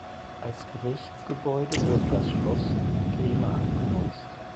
Als Gerichtsgebäude wurde das Schloss Grimma genutzt.